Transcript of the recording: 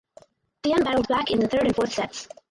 Thiem battled back in the third and fourth sets.